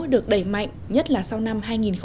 được đẩy mạnh nhất là sau năm hai nghìn một mươi hai